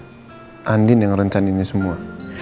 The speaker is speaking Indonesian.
jadi mama udah tau soal ini semua